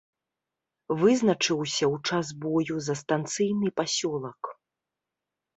Вызначыўся ў час бою за станцыйны пасёлак.